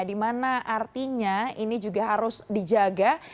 dimana artinya ini juga harus dijaga